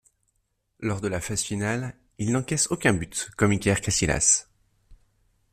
Lors de la phase finale, il n'encaisse aucun but, comme Iker Casillas.